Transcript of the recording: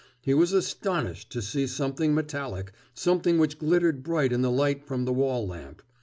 He was astonished to see something metallic, something which glittered bright in the light from the wall lamp.